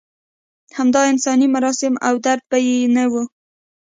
همدا انساني مراسم او درد به یو نه و.